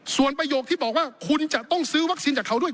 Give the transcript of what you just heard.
ส่วนประโยคที่บอกว่าคุณจะต้องซื้อวัคซีนจากเขาด้วย